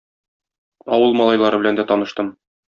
Авыл малайлары белән дә таныштым.